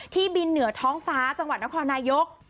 บินเหนือท้องฟ้าจังหวัดนครนายก